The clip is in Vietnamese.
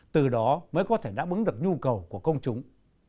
từ đó mới có thể đáp ứng được nhu cầu của công chúng